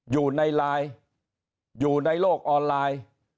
อยู่ในไลน์อยู่ในโลกออนไลน์